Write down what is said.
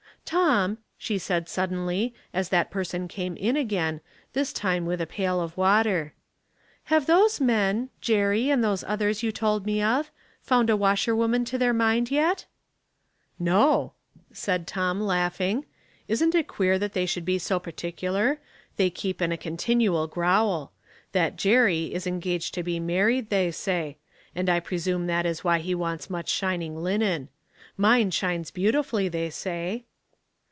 o " Tom," she said, suddenly, as that person came in again, this time with a pail of water. " Have those men — Jerry, and those others j^ou A New Start, 369 told me of — found a washerwoman to their mind yet ?" "No," said Tom, laughing. "Isn't it queer that they should be so particular ? They keep in a continual growl. That Jerry is engaged to be married, they say; and I presume that is why he wants such shining linen. Mine shinesi beautifully, they say."